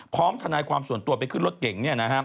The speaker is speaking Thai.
พร้อมทนายความส่วนตัวไปขึ้นรถเก่งนี่นะฮะ